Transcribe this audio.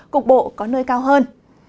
cục bộ có nơi cao hơn